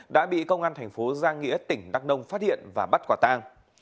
đã bị công an thành phố giang nghĩa tỉnh đắk đông phát hiện và bắt quả tàng